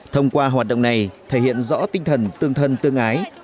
thông qua hoạt động này thể hiện rõ tinh thần tương thân tương ái